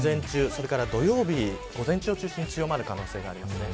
それから土曜日午前中を中心に強まる可能性があります。